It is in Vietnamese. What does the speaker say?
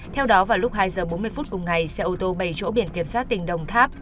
theo đó vào lúc hai h bốn mươi phút cùng ngày xe ô tô bảy chỗ biển kiểm soát tỉnh đồng tháp